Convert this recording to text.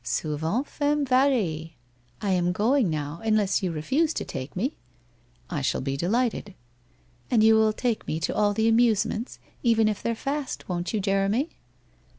' Souvent femme varie. I am going now, unless you re fuse to take me.' ' I shall be delighted.' ' And you will take me to all the amusements, even if they're fast, won't you, Jeremy